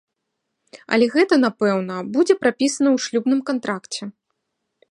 Але гэта, напэўна, будзе прапісана ў шлюбным кантракце.